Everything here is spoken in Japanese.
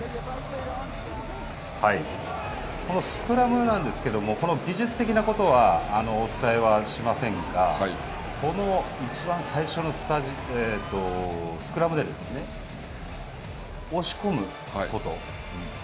このスクラムなんですけれどもこの技術的なことは、お伝えはしませんが、このいちばん最初のスクラムでですね、押し込むこと。